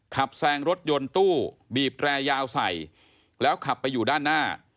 แซงรถยนต์ตู้บีบแรยาวใส่แล้วขับไปอยู่ด้านหน้า